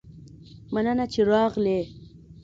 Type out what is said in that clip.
مننه چې راغلي